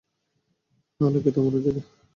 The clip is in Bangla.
আলোকে থামানো যায় না।